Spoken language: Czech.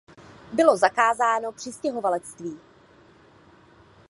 Bylo zakázáno přistěhovalectví.